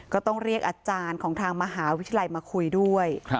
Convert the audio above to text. ก็ต้องเรียกอาจารย์ของทางมหาวิทยาลัยมาคุยด้วย